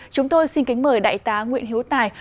chúng tôi xin kính mời đại tá nguyễn hiếu tài